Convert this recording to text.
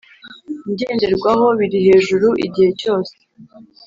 ngenderwaho biri hejuru igihe cyose